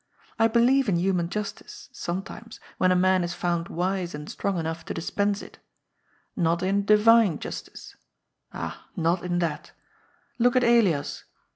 I believe in human justice, some times, when a man is found wise and strong enough to dis pense ii Not in Divine Justice. Ah, not in that Look at Elias.